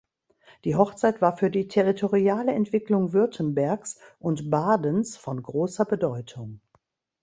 Die Hochzeit war für die territoriale Entwicklung Württembergs und Badens von großer Bedeutung.